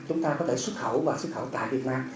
chúng ta có thể xuất khẩu và xuất khẩu tại việt nam